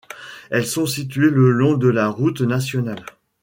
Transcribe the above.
Elles sont situées le long de la route nationale.